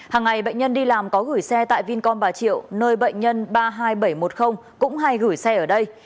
hàng ngày bệnh nhân đi làm có gửi xe tại vincomba triệu nơi bệnh nhân ba mươi hai nghìn bảy trăm một mươi cũng hay gửi xe ở đây